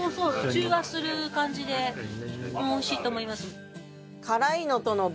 中和する感じでおいしいと思います。